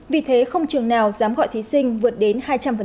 vì thế không trường nào dám gọi thí sinh vượt đến hai trăm linh